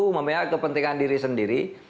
yang penting adalah kepentingan diri sendiri